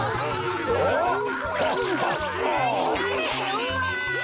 うわ！